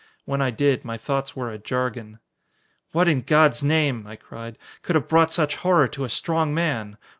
When I did, my thoughts were a jargon. "What, in God's name," I cried, "could have brought such horror to a strong man?